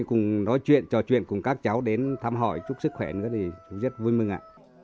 cùng nói chuyện trò chuyện cùng các cháu đến thăm hỏi chúc sức khỏe nữa thì rất vui mừng ạ